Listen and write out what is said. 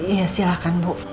iya silahkan bu